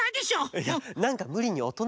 いやなんかむりにおとなぶってない？